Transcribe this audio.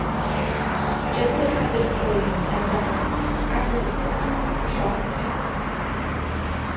Jensen has been poisoned and then, after his death, shot in the head.